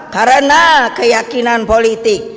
karena keyakinan politik